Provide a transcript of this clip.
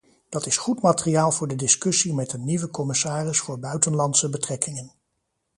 Dat is goed materiaal voor de discussie met de nieuwe commissaris voor buitenlandse betrekkingen.